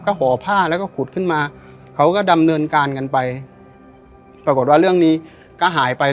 ก็ห่อผ้าแล้วก็ขุดขึ้นมาเขาก็ดำเนินการกันไปปรากฏว่าเรื่องนี้ก็หายไป